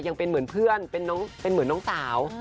ยังเป็นเหมือนเพื่อนเป็นเหมือนน้องสาว